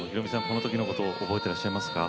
この時のこと覚えてらっしゃいますか？